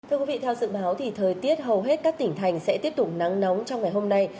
thưa quý vị theo dự báo thì thời tiết hầu hết các tỉnh thành sẽ tiếp tục nắng nóng trong ngày hôm nay